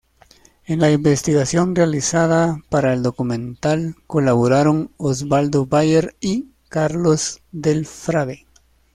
En la investigación realizada para el documental colaboraron Osvaldo Bayer y Carlos del Frade.